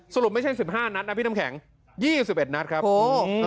สรุปไม่ใช่สิบห้านัดนะพี่น้ำแข็งยี่สิบเอ็ดนัดครับโอ้